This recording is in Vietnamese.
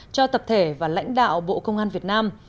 cho tập thể và lãnh đạo bộ công an việt nam